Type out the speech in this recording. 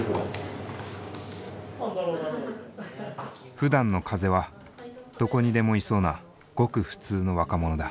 ふだんの風はどこにでもいそうなごく普通の若者だ。